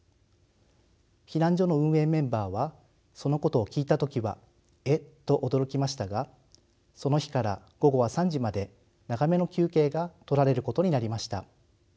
避難所の運営メンバーはそのことを聞いた時はえっ？と驚きましたがその日から午後は３時まで長めの休憩がとられることになりました。